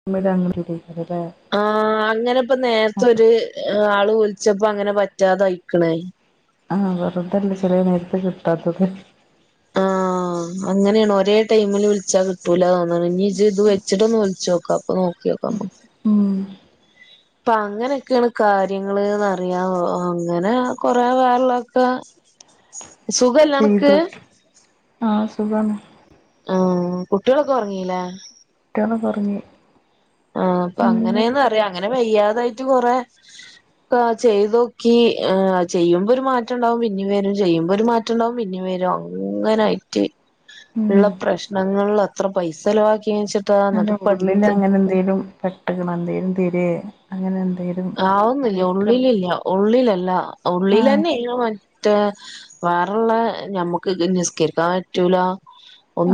[unintelligible] ആ അങ്ങനെപ്പ നേരത്തെ അപ്പൊ ഒര് ആള് വിളിച്ചപ്പ അങ്ങനെ പറ്റാതെ അയിക്കണ്. ആഹ് വെറുതല്ല ചേലെ നേരത്ത് കിട്ടാത്തത്. ആഹാ അങ്ങനെയാണ് ഒരേ- ടൈമില് വിളിച്ചാ കിട്ടൂല. ന്ന ഞ്ഞി ജ്ജ് വെച്ചിട്ട്ന്ന് വിളിച്ചോക്ക അപ്പൊ നോക്കിയോക്കാമ്മക്ക് ഉം അപ്പ അങ്ങനെയൊക്കെയാണ് കാര്യങ്ങള്ന്നറിയാ അങ്ങനെ കൊറെ വേറള്ളൊക്കെ ച്ച് ചെയ്തക്ക ആ സുഖാണ് ആ കുട്ട്യോളൊക്കെ ഒറങ്ങീലേ കുട്ടികള കൊറങ്ങി ആ അപ്പൊ അങ്ങനെയന്ന അറിയാം അങ്ങനെ വയ്യാതായിട്ട് കൊറെ ക്ക ചെയ്ത്തോക്കി ചെയ്യുമ്പോരു മാറ്റണ്ടാവും പിന്നി വരും ചെയ്യുമ്പോ ഒരു മാ റ്റണ്ടാവും പിന്നി വരും അങ്ങനയിട്ട് ഉം ള്ള പ്രശ്നങ്ങളിൽ അത്ര പൈസ ചലവാക്കി ന്നിച്ചിട്ടാ അല്ല ഉള്ളിൽ അങ്ങനെ ന്തേങ്കലും പെട്ടകണോ എന്തേലും തിരെ അങ്ങനെ ന്തേലും ആവുന്നില്ല ഉള്ളിലില്ല ഉള്ളിലല്ല ആഹ് ഉള്ളിലന്നെ ന്ന് മറ്റേ വേറള്ള ഞമ്മുക്ക് നിസ്കരിക്കാൻ പറ്റൂല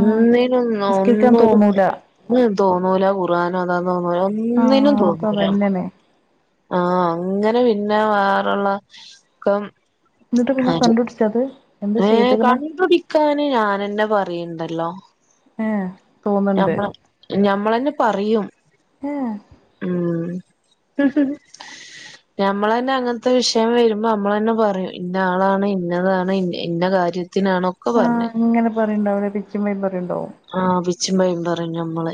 ആഹ് ന്നോ നിസ്കരിക്കാൻ ന്നൊരു തോന്നൂല തോന്നൂല കൂറാൻ [unintelligible] ഒന്നിനും ആഹ് അത് തോന്നൂല അതന്നെണ് ആ അങ്ങനെ പിന്നെ വേറെള്ള ക്കം ന്നിട്ട് പിന്നെ കണ്ടു പിടിച്ചത് ഏ കണ്ടു പിടിക്കാന് ഞാനെന്നെ പറയുണ്ടല്ലോ ഏഹ് തോന്ന്ണ്ട് ഞമ്മള ഞമ്മളന്നെ പറയും ഉം ഉം ഞമ്മള്ന്നെ അങ്ങനത്തെ വിഷയം വരുമ്പോ മ്മള് തന്നെ പറയും ഇന്ന ആളാണ് ഇന്നതാണ് ഇ ഇന്ന കാര്യത്തിനാണോ ആ അങ്ങനെ പറയണ്ടാവില്ല പിച്ചും പെ പറണ്ടാവും ആ വിച്ചുംപയും പറയും ഞമ്മള്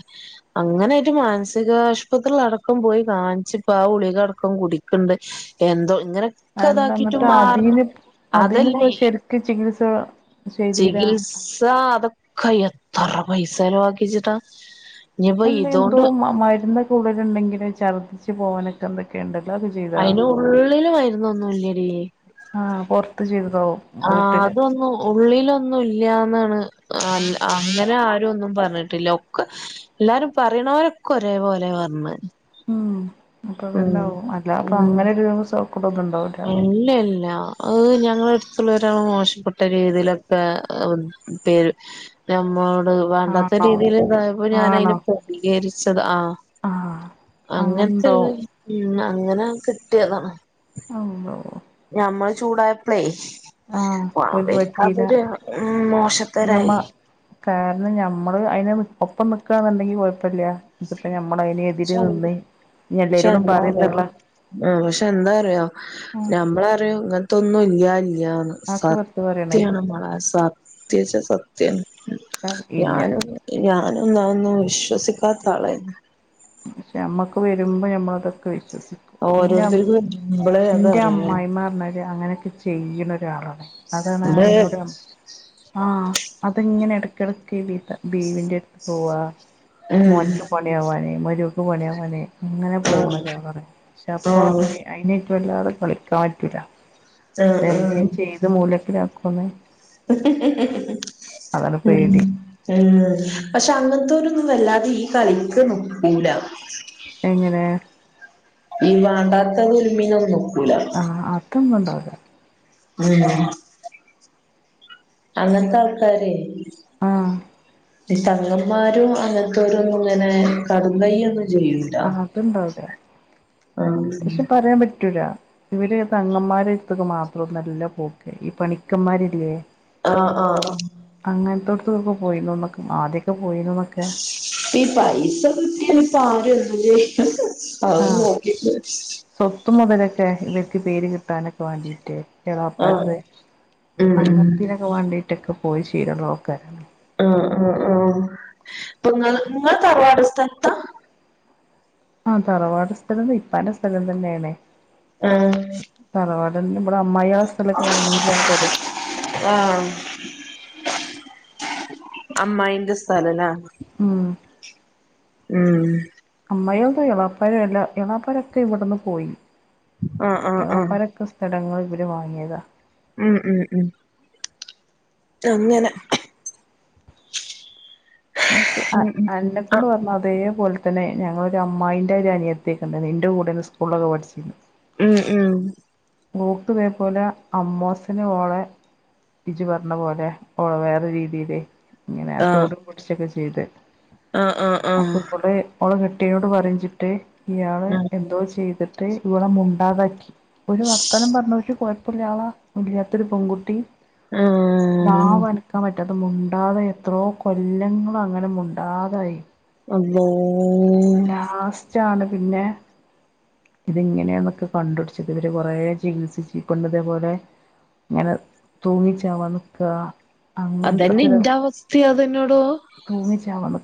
അങ്ങനെട്ട് മാനസികാശുപത്രില അടക്കം പോയി കാണിച്ചപ്പ ആ ഗുളികടക്കം കുടിക്കുണ്ട് എന്തോ ഇങ്ങനെക്കെ അല്ല ഇതാക്കിട്ട് എന്നിട്ട് മാറണം അതിന് അതല്ല അതിനിപ്പോ ഈ ശരിക്ക് ചികിത്സ ചെയ്തീലാ ചികിത്സ അത കൈ എത്തറ പൈസ ചെലവാക്കിച്ചിട്ടാ ഇനിയിപ്പോ അല്ല എന്തോ ഇതോണ്ട് മ മരുന്ന് ഉള്ളിലുണ്ടെങ്കില്ഛർദ്ദിച്ച് പോവാനൊക്കെ എന്തൊക്കെയ ഉണ്ടല്ലോ അത് ചെയ്താ അയിന് ഉള്ളില് മരുന്ന്ഒന്നും ഇല്ലടി ആഹ് പുറത്ത് ജീവിതാവും ആ അതൊന്നു ഉള്ളിലൊന്നും ഇല്യാന്നാണ് അ അങ്ങനെ ആരും ഒന്നും പറഞ്ഞിട്ടില്ല ഒക്കെ എല്ലാരും പറയണവരൊക്കെ ഒരേ പോലെ പറഞ്ഞ ഉം അപ്പൊ അത്ണ്ടാവും അല്ല അപ്പൊ അങ്ങനെ ഒരുസൗഹ്യദം ഉണ്ടാവുല്ലല്ലോ അല്ലല്ല ഓ ഞങ്ങളടുത്തുള്ളരാള് മോശപ്പെട്ട രീതിയിലൊക്കെ പേര് നമ്മളോട് വേണ്ടാത്ത ആണോ രീതിയിൽ ഇതായപ്പോ ആണോ ഞാനയിന് പ്രതികരിച്ചത് ആഹ് ആഹ് അങ്ങനത്തെ അങ്ങനെണ്ടാവും ഈ ഉ അങ്ങനെ കെട്ടിയതാണ് അള്ളോഹ് ഞമ്മൾ ചൂടായപ്ലെ ആഹ് ഓൽക്ക് പറ്റീല അവര്ക്കതൊരു ഉം ഞമ്മ മോശത്തെരായി കാരണം ഞമ്മള് അയിന് നി ഒപ്പം നിക്കാന്ന്ണ്ടെങ്കി കൊഴപ്പല്ല ഇതിപ്പോ ഞമ്മളയിനു പക്ഷെ എതിര് എന്ത് നിന്ന് ഞ്ഞി എല്ലരോടും പറിം ന്ന്ള്ളെ ആഹ് പക്ഷെ എന്താറിയോ ഉം ഞമ്മളറിം ഇങ്ങനത്തൊന്നും ഇല്യ ഇല്യാന്ന് ആക്ക് വെറുതെ പറയണേ സത്യാണ് മോളെ സത്യച്ച സത്യണ് ഇല്ല ഞാനും ഞാനും ന്നാന്നും വിശ്വസിക്കാത്ത ആളയിന് ക്ഷെ മ്മക്ക് വരുമ്പം ഞമ്മളതൊക്കെ വിശ്വസി ഇന്റെഅം ഓരോരുത്തർക്ക് വരുമ്പളേ ന്റെ അതറിയുള്ളൂ അമ്മായിമ്മ റഞ്ഞാല് അങ്ങനെക്കെ ചെ ചെയ്യണ ഒരാളാണ് അതാണ് നമ്മള് അയിനോട് അമ് ആഹ് അത്ങ്ങനെ എടക്കെട്ക്ക്‌ ബീത ബീവിന്റെടുത്ത് പോവാ ഉം മോൻക്ക് പണിയാവാന് മരോക്ക് പണിയാവാന് അങ്ങനെ ആഹ് പോണ് [unintelligible] ചപ്പോ ആഹ് [unintelligible] വല്ലാതെ കളിക്കാൻ പറ്റൂല ആഹ് എന്തേ ആഹ് ചെയ്ത് മൂലത്തിലാക്കന്ന് [unintelligible] [unintelligible] ഉം പേടി പക്ഷെ അങ്ങനത്തോരൊന്നും വല്ലാതെ ഈ കളിക്ക് നിക്കൂല എങ്ങനെ ഈ വണ്ടാത്ത ളുൽമിനൊന്നും ആഹ് അതൊന്നും ഉണ്ടാവൂല മൊതലോ അങ്ങനത്തെ ആൾക്കാരെ ആ ഇല്ല അങ്ങൻനാരും അങ്ങനത്തൊരുന്നും ഇങ്ങനെ കടും കയ്യൊന്ന അത്ണ്ടാവൂല ആഹ് പക്ഷെ പറയാൻ പറ്റൂല ഇവര് തങ്ങന്മാരെടുത്തക് മാത്രല്ല പോക്ക് ഈ പണിക്കന്മാരില്ലേ അഹ്‌ ആഹ് അങ്ങൻത്തോട്ത്ത്ക്കൊക്കെ പോയിന്നോന്നൊക്കെ. ആദ്യക്കെ പോയിന്നുന്നൊക്കെ ഈ പൈസ കിട്ടിട്ട് ഇപ്പം ആരൊന്തും ചെയ്യും അത് നോക്കിട്ട് സ്വത്തും മുതലൊക്കെ ഇവർക്ക് പേര് കിട്ടാനൊക്ക വാണ്ടിട്ട് ആഹ് കേളാപ്പരുത ഉം അങ്ങത്തിനൊക്കെ വേണ്ടിട്ടൊക്കെ പോയി [unintelligible] ആൾക്കാരാണ് ആ ആ ആ അപ്പൊ നിങ്ങള് നിങ്ങ തറവാട് സ്ഥലത ആ തറവാട് സ്ഥലം ഇപ്പാന്റെ സ്ഥലം തന്നെയാണേ ആ തറവാട ഇവിടെ അമ്മായി ആ സ്ഥലമൊക്കെ വാങ്ങീട്ടാണ് ത ആ അമ്മായിന്റെ സ്ഥലല്ലാ ഉം ഉം അമ്മ [unintelligible] എളാപ്പരംല്ല എളാപ്പരൊക്കെ ഇവിടെന്ന് പോയി ആഹ് ആഹ് ആഹ് എളാപ്പരൊക്കെ ഇടങ്ങൾ ഇവർ വാങ്ങിയതാ ഉം ഉം ഉം [unintelligible] ആ ഉം ഉം അന്നേ കൊണ്ട് ആഹ് പറഞ്ഞു അതേ [unintelligible] അ തന്ന ഞങ്ങളൊ അമ്മായിൻ്റെ അനിയത്തേക്കുണ്ട് നിൻ്റെ കൂടെന്ന് സ്കൂളൊക്കെ പഠിച്ച ഉം ഉം [unintelligible] പോലെ അമ്മോസനെ ഓള ഇജ്ജ് പറഞ്ഞ പോലെ ഓ വേറെ രീതിൽ ഇങ്ങനെ ആഹ് തൊടപൊടിച്ചൊക്കെ ചെയ്ത് ആഹ് ആഹ് അപ്പൊ ആഹ് [unintelligible] ഓള കെട്ടിയോട് പറഞ്ഞിട്ട് ഇയാൾ ഉം എന്തോ ചെയ്തിട്ട് ഇവള മുണ്ടാതാക്കി ഒരു വർത്തനം പറഞ്ഞ പക്ഷെ കുഴപ്പമില്ല ആള ഇല്ലാത്ത ഒരു പെൺകുട്ടി ആഹ് നാവ് അനക മറ്റത് മുണ്ടാതെ എത്രോ കൊല്ലങ്ങളൾ അങ്ങനെ മുണ്ടാതായി അമ്പോ ലാസ്റ്റ് ആണ് പിന്നെ ഇത്ങ്ങനെയാെന്നൊക്കെ കണ്ടുപടിച്ചത് ഇവര് കുറെ ചികിത്സിച്ച ഈ പെണ്ണ് ഇതേപോലെ ഇങ്ങനെ തൂങ്ങി ചാവ നിൽക്കുക അതന്നെ എന്റെ അവസ്ഥ അതെന്നോടോ തൂങ്ങിച്ചാവ നിൽ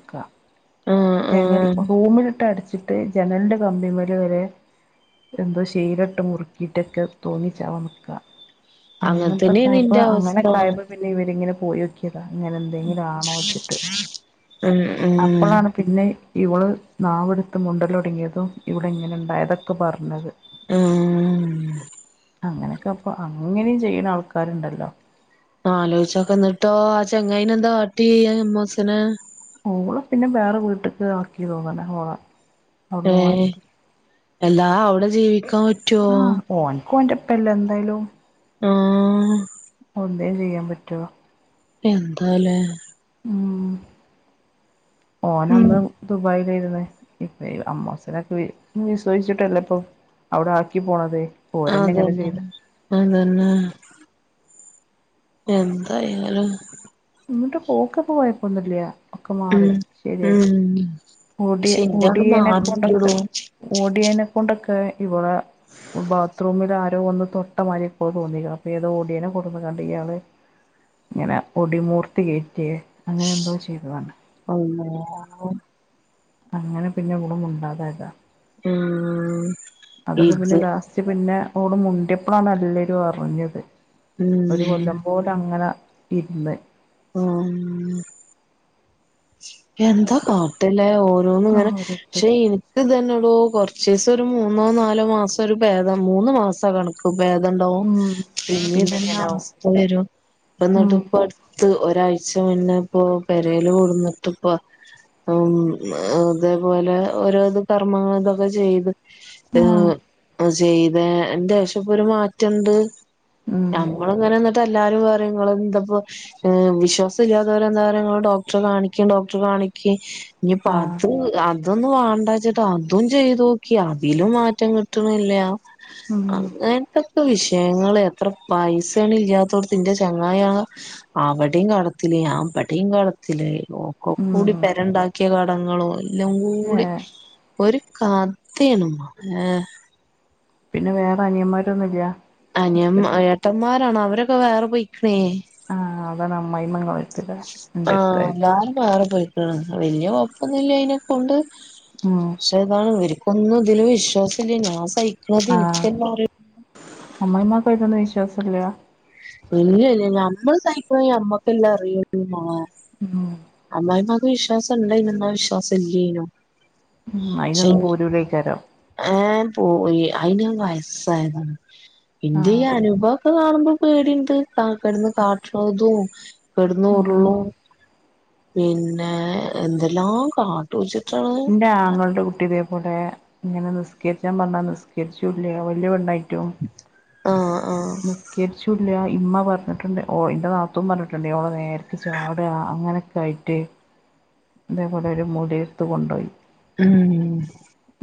ജനൽ ആഹ് റൂമിലിട്ട് അടച്ചിട്ട് ജനലിന്റെ കമ്പി മേല വരെ എന്തോ ശീലട്ട് മുറുക്കിയിട്ടൊക്കെ തൂങ്ങി ചാവ നക്കാ അങ്ങനെ തന്നെയാണ് അങ്ങൻത്തക്കായപ്പോ ഇന്റെ അവസ്ഥ അങ്ങനെക്കായപ്പോ പിന്നെ ഇവരിങ്ങനെ പോയോക്കി. അങ്ങനെ എന്തെങ്കിലും ആണോ വെച്ചിട്ട് ഉം ഉം അപ്പോഴാണ്. പിന്നെ ഇവൾ നാവെടുത്ത് മുണ്ടലൊടുങ്ങൃപ്പം ഇവിടെ ഇങ്ങനെ ണ്ടായതൊക്കെ പറഞ്ഞത്. മ് അങ്ങനെക്കപ്പം അങ്ങനേം ചെയ്യ്ണ ആൾക്കാരുണ്ടല്ലോ. ആലോയ്ച്ചക്ക ന്നട്ടോ ആ ചെങ്ങായ്നെ എന്താ കാട്ടി ആ അമ്മോസനെ. ഓള പിന്നെ വേറെ വീട്ട്ക്ക് ആക്കി തോന്ന്ന് ഹോളെ. ഏഹ് എല്ലാ അവിടെ ജീവിക്കാൻ പറ്റ ആഹ് ഓന്ക്ക് ഓന്റെപ്പല്ലെ എന്തായാലും. ആഹ്. എന്തേം ചെയ്യൻ പറ്റോ? എന്താലെ. മ് ഉം ഓനന്ന് ദുബായിലായിര്ന്ന് പിന്നെ അമ്മോസനെക്കെ വിസൃസിച്ചിട്ടല്ലപോ. അവ്ടെ ആക്കി പോണത്. ആതന്നെ ചെയ്ത അതന്നെ. എന്തായാലും. ഇങ്ങട്ട് പോക്കപ്പോ കെയപ്പന്നുല്ലൃ. ഒക്കെ ഉം മാറി ശരിയായി ഉം മുടി പക്ഷെ ഇന്റത് മുടിയനെ കൊണ്ടൊക്കെ. മാറുന്നില്ലടോ മുടിയനെ കൊണ്ടൊക്കെ ഇവളെ ബാത്റൂമിൽ ആരോ ഒന്ന് തൊട്ടമാതിരിപ്പോ തോന്നി അപ്പോ ഏതോ ഓടിയനെ കൊണ്ടന്ന്കാണ്ട് ഇയാള് ങ്ങനെ ഒടിമൂർത്തി കേറ്റേ അങ്ങനെ ന്തോ ചെയ്തതാണ്. അള്ളാഹ്‌. അങ്ങനെ പിന്നെ ഓള് മുണ്ടാതയത. മ് അതൊക്കെ പിന്നെ ലാസ്റ്റ് പിന്നെ ഓള് മുണ്ടിപ്പൊളാണ് എല്ലൊരു അറിഞ്ഞത്. ഒരു ഉം കൊല്ലം പോലങ്ങനെ ഇര്ന്ന്. ആഹ്. എന്താ കാട്ടലെ ഓരോന്ന്ങ്ങനെ ഷെ ഓരോരുത്തര് യി ഇത് തന്നെടോ കൊറച്ചിസം ഒരു മൂന്നോ, നാലോ, മാസരുപേദം മൂന്ന് മാസ കണ ഭേദണ്ടാവും ഉം പിന്നെ പിന്നീതന്നെ ഇങ്ങനാവും അവസ്ഥ വെരും ഉം പന്ന്ട്ട്പ്പട് ത്ത് ഒരാഴ്ച മുന്നെ പ്പോ പെരേല് കൊട്ന്ന് തുപ്പ് മ് അതേപോലെ ഓരോന്ന് കർമ്മങ്ങൾതൊക്കെ ചെയ്ത്. ഏ ആഹ് അത് ചെയ്തെന്റെഷപ്പൊര് മാറ്റണ്ട്. ഉം ഞാൻ. ങ്ങള്ങ്ങനെ ന്ന്ട്ട് എല്ലാരും പറിം ങ്ങള് ന്തപ്പോ ഏ വിശ്വാസം ഇല്യാതോരെ ന്നാല് ങ്ങള് ഡോക്ട്റെ കാണി ഡോക്ട്റെ കാണിയ്ക് ഇഞ്ഞിപ്പ ആഹ് അത് ആ അതൊന്നു വാണ്ടാച്ചിട്ടാ അതും ചെയ്തോക്കി അതിലും മാറ്റം കിട്ടണില്ല. ഉം അങ്ങൻത്തെ വിഷയങ്ങള് എത്ര പൈസേണ് ഇല്ലാത്തോട്ത്ത് ന്റെ ചങ്ങായാണ് അവടിം കടത്തില് ഞാപടിം കാടത്തില് ഒക്കെകൂടി ഉം പെരണ്ടാക്കിയ കടങ്ങളും എല്ലംകൂടി ഏഹ് ഒര് കതിണ് മ ലെ പിന്നെ വേറെ അനിയന്മാരൊന്നുല്ല്യ? അനിയമ ഏട്ടമ്മാരാണ് അവരൊക്കെ വേറെ പൊയിക്ക്ണ്. ആഹ് അതാണ് അമ്മായിമ്മ ങ്ങള് ആഹ് ഞാൻ വെറെ പോയ്ക്‌ണ് വെല്യ കൊയപ്പൊന്നില്ലൃ ഐനെ കൊണ്ട്. ആഹ്. ത് താണ് ഇവര്ക്കൊന്നും ഇതില് വിശ്വാസല്ല്യാ ഞാൻ സഹിക്ക്ണത് ഇനിക്കല്ലെറിയൂ അമ്മായ്മകൈലൊന്നും വിശ്വാസല്ല്യ. ഇല്ല ല്ല്യ ഞമ്മള് സഹിക്‌ണ ഞമ്മക്കെല്ലാ അറിയുള്ളു മാ മ് അമ്മായിമക്ക് വിശ്വാസണ്ടായ്നോ എന്നാൽ വിശ്വാസം ഇല്ല്യെനും മ് അയ്നൊന്നും പോരുലൈ കാരം.? ഏ പോവുയ്യ് അയിന് വയസ്സായതാണ് ഇന്റെ ആഹ് ഈ അനുഭവൊക്കെ കാണുമ്പോ പേടിണ്ട് [unintelligible] കട്ട്ണതും കെടന്ന് ഉം ഉരുളും പിന്നെ എന്തെല്ലാം കാട്ടുച്ചിട്ടാണ് ന്റെ ആങ്ങൾന്റെ കുട്ടിതേപോലെ ങ്ങനെ നിസ്കരിച്ചാ പർഞ്ഞാ നിസ്കരിച്ചുല്ല വല്ല്യ പെണ്ണായിറ്റും [inaudible] ആഹ് നിസ്കരിച്ചൂല്ല ഇമ്മ പർഞ് ട്ട്ണ്ട് ഓ ന്റെ നാത്തൂ പർഞ് ട്ട്ണ്ട് ഓളെ നേരെ ചാട അങ്ങനൊക്കെ ആയിറ്റ് തേപോലെ ഒരു മൊല്യട്ത്ത് കൊണ്ടൊയി. ഉം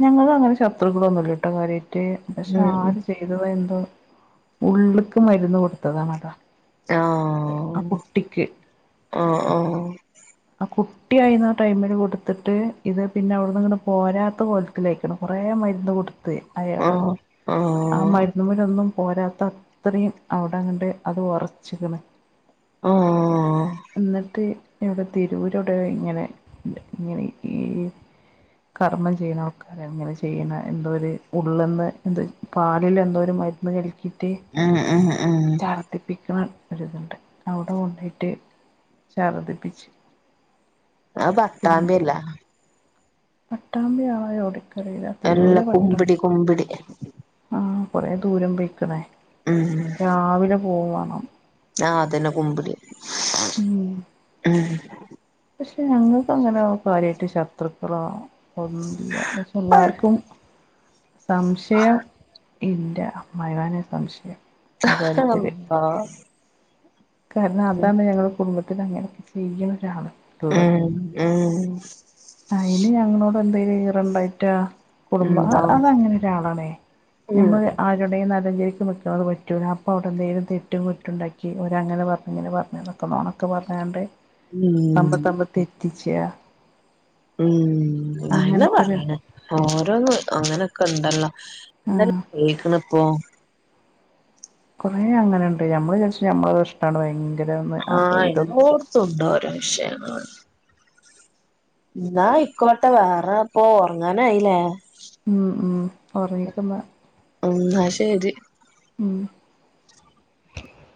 ഞങ്ങള്ൾ അങ്ങനെ ശത്രുക്കളൊന്നുമല്ലട്ടോ കാര്യായിട്ട് പക്ഷെ ഉം ആര് ചെയ്തോ എന്തോ ഉള്ള്ക്ക് മര്ന്ന് കൊടുത്തതാണതാ. ആ അതെ ആ കുട്ടിക്ക്. അഹ് അഹ് അഹ് അ ക്കു കുട്ടിഴുന്ന ടൈമിൽ കൊടുത്തിട്ട് ഇത് പിന്നെ അവിടുന്ന് ഇങ്ങെ പോരാത്ത കൊലത്തിലയിക്ക്ണ് കുറേ മരുന്ന് കൊടുത്ത് അയാള് ആഹ ആ മരുന്നുമലൊന്നും പോരാത്ത അത്രയും അവിടെങ്ങണ്ട് അത് ഒറച്ചിക്കണ് എന്നിട്ട് ഇവിടെ തിരൂരടെ ഇങ്ങനെണ്ട് ഇങ്ങനെ ഈ കർമ്മം ചെയ്യുന്ന ആൾക്കാര എങ്ങനെ ചെയ്യണ എന്തോ ഉള്ളെന്ന് എന്ത പാലിൽ എന്തോ ഒരു മരുന്ന് കലക്കിട്ട് ആഹ് ആഹ് ഉം ഉം ഉം ചർ ദ്ധിപ്പിക്കുന്ന ഒരിതുണ്ട് അവിടെ കൊണ്ടയിട്ട് ഛർദിപ്പിച്ച് ആഹ് പട്ടാമ്പില്ല്യ പട്ടാമ്പി ആയോടെ അല്ല കുമ്പിടി കുമ്പിടി ആ കൊറെ ദൂരം പോയിക്കണേ ഉമ് രാവിലെ പോവണം ആഹ് അതന്നെ കുമ്പിടിയ ഉം ഉം പക്ഷെ ഞങ്ങൾക്ക് അങ്ങനെ കാര്യമായിട്ട് ശത്രുക്കളോ തന്നില്ല പക്ഷെ എല്ലാർക്കും സംശയം ഇന്റെ അമ്മായിമാനെ സംശയം ആ കാര്യത്തില് [unintelligible] അല്ലാഹ് കാരണം അതാണ് ഞങ്ങളുടെ കുടുംബത്തിൽ അങ്ങനെയൊക്കെ ചെയ്യുന്ന ഒരാള് ഉം ഉം അയ്ന് ഞങ്ങളോട് എന്തെലും ഇറണ്ടായിറ്റാ കുടുംബ ഉണ്ടാവും അത അങ്ങനെ ഒരാളാണേ ഉം നമ്മള് ആ അവരുടെെങ്കില നാലഞ്ചരിക്ക് നിൽക്കും അത് പറ്റ അപ്പോൾ അവിടെന്തങ്കിലും തെും കുറ്റ ഉണ്ടി അവരങ്ങെ പറഞ്ഞഞ്ങ്ങനെ പറഞ്ഞത നൊണ ക്ക പറഞാണ്ട് ഉം തമ്മിൽ തമ്മിൽ ത്തെറ്റിച്ച ഉം നന്ന അങ്ങനൊക്കെ ഒരു പറയണ് ഓരോന്ന് അങ്ങനെ ക്ക ഇണ്ടല്ലോ ആ എന്ത കേക്കണ ഇപ്പോ കുറേ അങ്ങനെണ്ട് നമ്മള് വിരിച്ച നമ്മള ഇഷ്ടമാണ് ഭയങ്കര അപ്പൊ ആഹ് ഇതൊന്നും [inaudible] എന്നാ ആയിക്കോട്ടെ വേറെ ഇപ്പൊ ഉറങ്ങാനായില്ലേ മ് മ് ഓറങ്ങിക്കൊന്നാ എന്ന ശരി ഉം